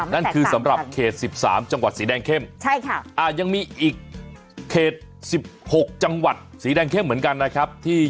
นั่นคือสำหรับเขต๑๓จังหวัดสีแดงเข้มใช่ค่ะ